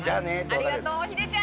ありがとう、ヒデちゃん